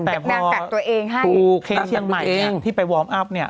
แต่พอพูกเค้กเที่ยงใหม่ที่ไปวอร์มอัพ